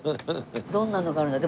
どんなのがあるんだろう？